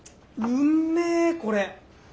うんめこれ。